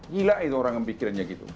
gila itu orang yang mikirnya gitu